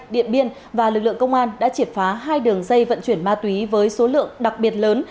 điện biên và lực lượng công an đã triệt phá hai đường dây vận chuyển ma túy với số lượng đặc biệt lớn